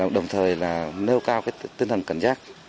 đồng thời nâng cao tinh thần cảnh giác